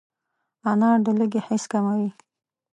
انار د لوږې حس کموي.